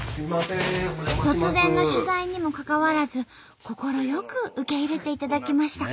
突然の取材にもかかわらず快く受け入れていただきました。